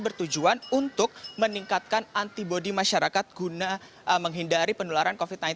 bertujuan untuk meningkatkan antibody masyarakat guna menghindari penularan covid sembilan belas